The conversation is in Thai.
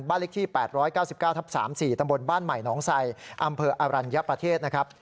บ้านลิขที่๘๙๙๓๔ตำรวจบ้านใหม่น้องไซค์อำเภออรัญญะประเทศนะครับ